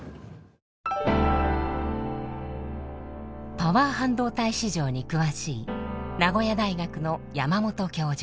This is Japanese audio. パワー半導体市場に詳しい名古屋大学の山本教授。